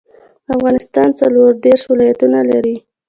افغانستان څلوردیش ولایتونه لري.